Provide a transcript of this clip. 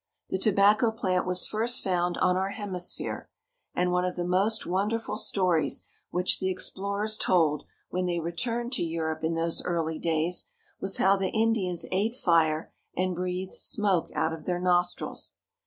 The tobacco plant was first found on our hemisphere, and one of the most won derful stories which the explorers told, when they returned to Europe in those early days, was how the Indians ate fire and breathed smoke out of their nostrils.